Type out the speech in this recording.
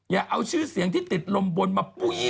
อย่าเอาชื่อเสียงที่ติดลมบนมา